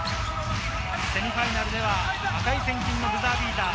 セミファイナルでは値千金のブザービーター。